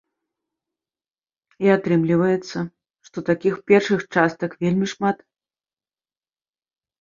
І атрымліваецца, што такіх першых частак вельмі шмат.